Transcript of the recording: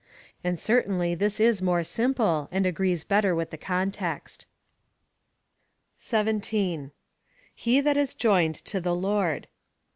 And certainly this is more simple, and agrees better with the context. 17. He that is joined to the Lord.